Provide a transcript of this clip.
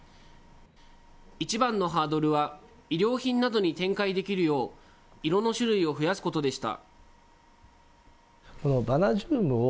一番のハードルは、衣料品などに展開できるよう、色の種類を増やすことでした。